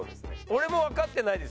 俺もわかってないです。